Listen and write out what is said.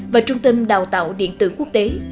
và trung tâm đào tạo điện tử quốc tế